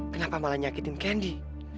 kenapa malah nyakitin kendi